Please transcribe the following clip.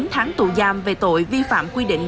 chín tháng tù giam về tội vi phạm quy định